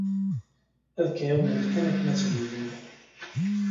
Ad k-ɛawnent kan akken ad tebdud.